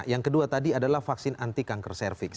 yang kedua tadi adalah vaksin anti kanker cervix